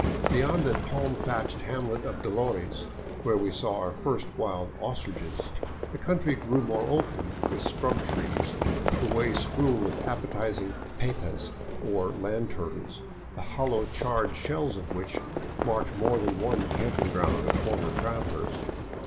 Beyond the palm thatched hamlet of Dolores, where we saw our first wild ostriches, the country grew more open, with scrub trees, the way strewn with appetizing petas, or land turtles, the hollow charred shells of which marked more than one camping ground of former travelers.